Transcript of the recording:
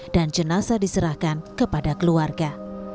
dan jenazah diserahkan kepada keluarga